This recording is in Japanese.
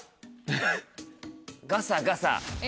ガサガサ。